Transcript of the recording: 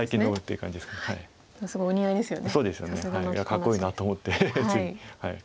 かっこいいなと思ってつい。